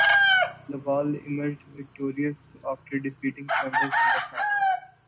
Lawal emerged victorious after defeating Chambers in the final.